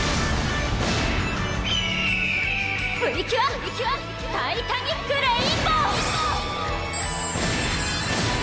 プリキュア・タイタニック・レインボー！